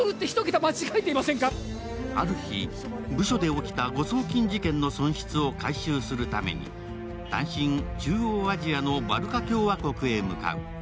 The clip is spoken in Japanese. ある日、部署で起きた誤送金事件の損失を回収するために単身中央アジアのバルカ共和国に向かう。